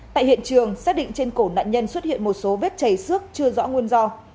tại hiện trường xác định trên cổ nạn nhân xuất hiện một số vết chảy xước chưa rõ nguồn do